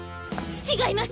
違います！